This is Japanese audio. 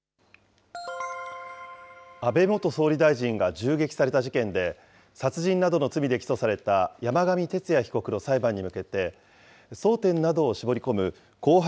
安倍元総理大臣が銃撃された事件で、殺人などの罪で起訴された山上徹也被告の裁判に向けて、争点などを絞り込む公判